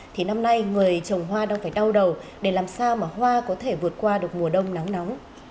thì năm nay người trồng hoa đang phải đau đầu để làm sao mà hoa có thể vượt qua được mùa đông nắng nóng